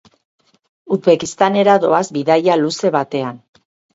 Uzbekistanera doaz bidaia luze batean.